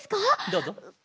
どうぞ。